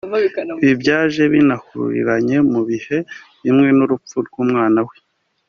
ibi byaje binahuriranye mu bihe bimwe n’urupfu rw’umwana we